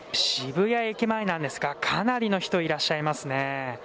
渋谷駅前なんですがかなりの人いらっしゃいますね。